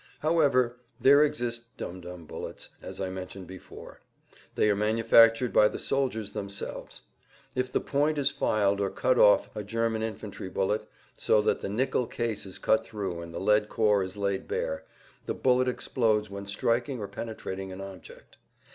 However, there exist dum dum bullets, as I mentioned before. They are manufactured by the soldiers themselves. If the point is filed or cut off a German infantry bullet, so that the nickel case is cut through and the lead core is laid bare, the bullet explodes when striking or penetrating an object.